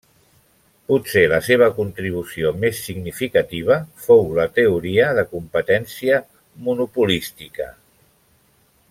Potser la seva contribució més significativa fou la teoria de competència monopolística.